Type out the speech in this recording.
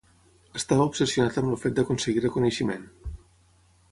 Estava obsessionat amb el fet d'aconseguir reconeixement.